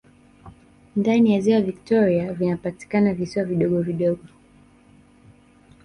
Ndani ya Ziwa Viktoria vinapatikana visiwa vidogo vidogo